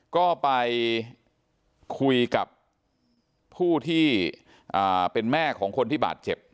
ก็ไปคุยกับผู้ที่เป็นแม่ของคนที่บาดเจ็บ